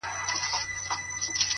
مړ مي مړوند دی!